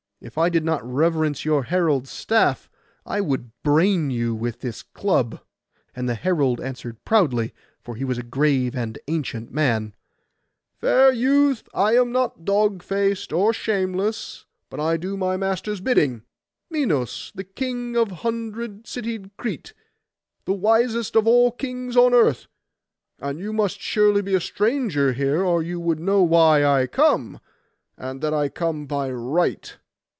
If I did not reverence your herald's staff, I would brain you with this club.' And the herald answered proudly, for he was a grave and ancient man— 'Fair youth, I am not dog faced or shameless; but I do my master's bidding, Minos, the King of hundred citied Crete, the wisest of all kings on earth. And you must be surely a stranger here, or you would know why I come, and that I come by right.